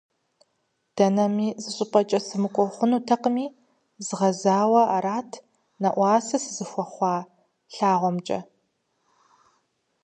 Дэнэми зыщӀыпӀэ сымыкӀуэу хъунутэкъыми, згъэзауэ арат нэӀуасэ сызыхуэхъуа лъагъуэмкӀэ.